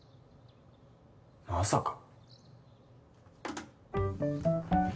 まさか。